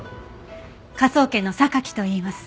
科捜研の榊といいます。